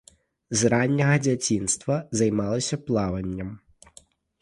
З ранняга дзяцінства займалася плаваннем.